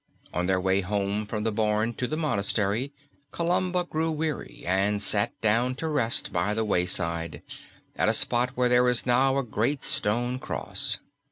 On their way home from the barn to the monastery Columba grew weary, and sat down to rest by the wayside, at a spot where there is now a great stone cross.